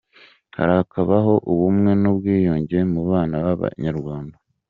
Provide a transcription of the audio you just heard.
harakabaho ubumwe n’ubwiyunjye mu bana b’abanyarwanda.